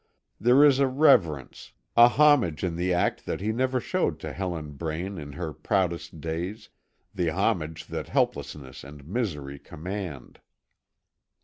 There is a reverence, a homage in the act that he never showed to Helen Braine in her proudest days, the homage that helplessness and misery command.